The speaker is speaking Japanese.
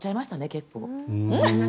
結構。